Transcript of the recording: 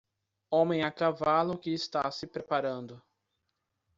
Homem a cavalo que está se preparando